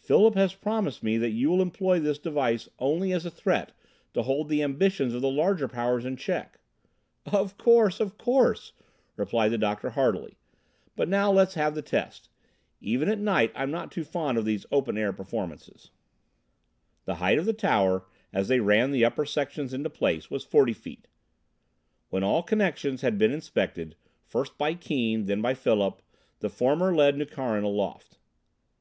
"Philip has promised me that you will employ this device only as a threat to hold the ambitions of the larger powers in check." "Of course, of course!" replied the Doctor heartily. "But now let's have the test. Even at night I'm not too fond of these open air performances." The height of the tower as they ran the upper sections into place was forty feet. When all connections had been inspected, first by Keane, then by Philip, the former led Nukharin aloft.